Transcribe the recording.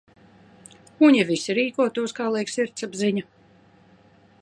Un ja visi rīkotos, kā liek sirdsapziņa?